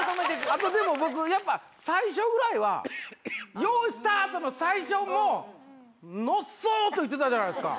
あとでも僕、やっぱ最初ぐらいは、よーい、スタートの最初も、のっそーといってたじゃないですか。